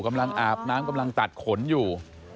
อาบน้ำกำลังตัดขนอยู่